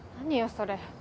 それ。